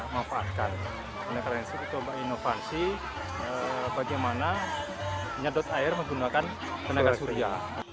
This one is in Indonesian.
tenaga listrik itu inovasi bagaimana menyadari air menggunakan tenaga surya